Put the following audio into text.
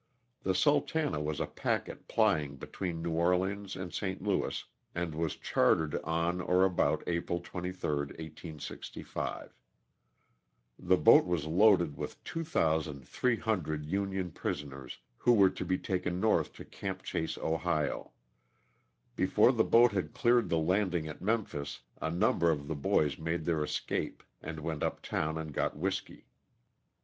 The "Sultana'' was a packet plying between New Orleans and St. Louis, and was chartered on (or about) April 23, 1865. The boat was loaded with 2,300 Union prisoners who were to be taken north to Camp Chase," Ohio. Before the boat had cleared the landing at Memphis a number of the boys made their escape and went up town and got whiskey.